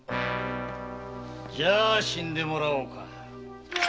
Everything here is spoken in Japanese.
じゃ死んでもらおうか。